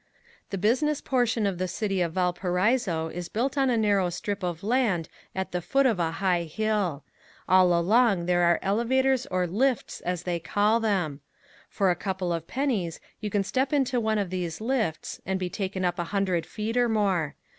The business portion of the city of Valparaiso is built on a narrow strip of land at the foot of a high hill. All along there are elevators or lifts as they call them. For a couple of pennies you can step into one of these lifts and be taken up a hundred feet or more.